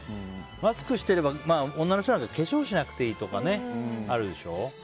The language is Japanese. マスクしてれば、女の人なんか化粧しなくていいとかあるでしょ。